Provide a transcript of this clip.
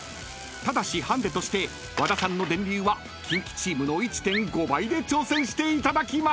［ただしハンディとして和田さんの電流はキンキチームの１．５倍で挑戦していただきます］